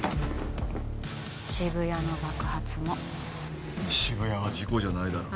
渋谷の爆発も渋谷は事故じゃないだろ